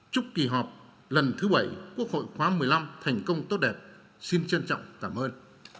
chúc kỳ họp lần thứ bảy quốc hội khóa một mươi năm thành công tốt đẹp xin trân trọng cảm ơn